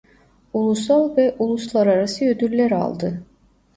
Ulusal ve uluslararası ödüller aldı.